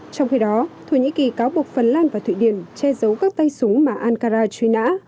trong khi đó thổ nhĩ kỳ cáo buộc phần lan và thụy điển che giấu các tay súng mà ankara truy nã